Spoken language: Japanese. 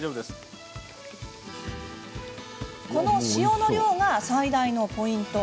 この塩の量が最大のポイント。